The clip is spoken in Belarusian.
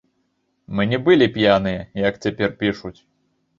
Мы не былі п'яныя, як цяпер пішуць.